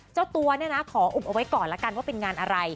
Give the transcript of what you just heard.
เจ้าตัวเนี่ยนะขออุบเอาไว้ก่อนละกันว่าเป็นงานอะไร